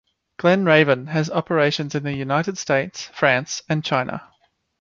Glen Raven has operations in the United States, France, and China.